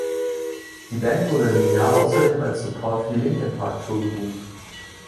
Die Band wurde in dem Jahr außerdem als Support für die Linkin-Park-Tour gebucht.